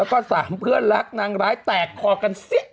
แล้วก็สามเพื่อนรักนางร้ายแตกคอกันซิ